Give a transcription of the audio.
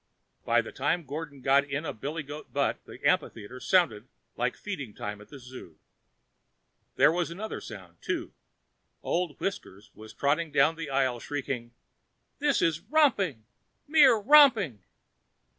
By the time Gordon got in a billygoat butt, the amphitheater sounded like feeding time at the zoo. But there was another sound, too. Old Whiskers was tottering down the aisle, shrieking, "This is romping! Mere romping!"